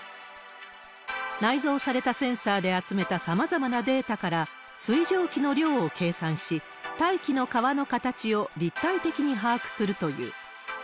内蔵されたセンサーで集めたさまざまなデータから、水蒸気の量を計算し、大気の川の形を立体的に把握するという。